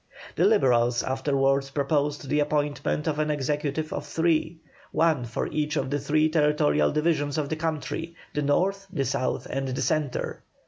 The Liberals afterwards proposed the appointment of an Executive of three; one for each of the three territorial divisions of the country, the North, the South, and the Centre.